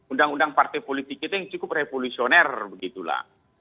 undang undang partai politik kita yang cukup revolusioner begitulah